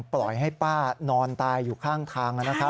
ปล่อยให้ป้านอนตายอยู่ข้างทาง